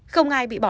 không ai bị bỏ lỡ